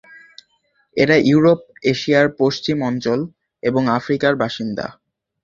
এরা ইউরোপ, এশিয়ার পশ্চিম অঞ্চল এবং আফ্রিকার বাসিন্দা।